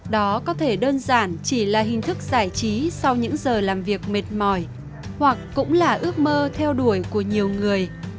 đó có thể đơn giản chỉ là hình thức giải trí sau những giờ làm việc mệt mỏi hoặc cũng là ước mơ theo đuổi của nhiều người